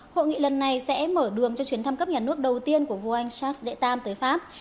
hội nghị lần này sẽ mở đường cho chuyến thăm cấp nhà nước đầu tiên của vua anh charles iii tới pháp